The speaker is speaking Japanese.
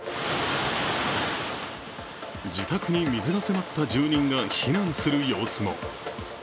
自宅に水が迫った住人が避難する様子も。